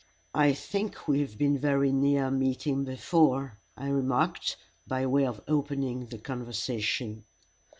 "I think we have been very near meeting before," I remarked, by way of opening the conversation.